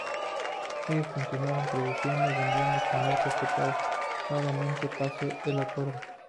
Ellos continuaron produciendo y vendiendo sus marcas separadamente, pese al acuerdo.